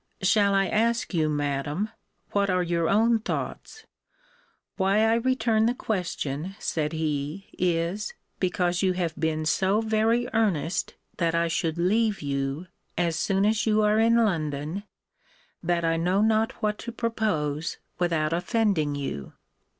Shall I ask you, Madam, what are your own thoughts? Why I return the question, said he, is, because you have been so very earnest that I should leave you as soon as you are in London, that I know not what to propose without offending you.